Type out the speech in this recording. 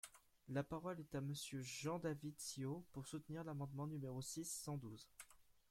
La parole est à Monsieur Jean-David Ciot, pour soutenir l’amendement numéro six cent douze.